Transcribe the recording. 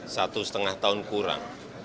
satu setengah tahun kurang